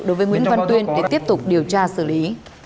đối với nguyễn văn tuyên để tiếp tục điều tra xử lý